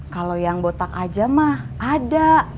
kalau yang botak aja mah ada